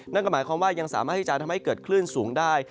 นั่นก็หมายความว่ายังสามารถที่จะทำให้เกิดคลื่นสูงได้